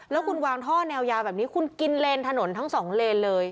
แล้วคุณวางท่อแนวยาวแบบนี้คุณกินเลนถนนทั้งสองเลนเลย